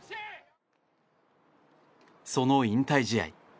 その引退試合。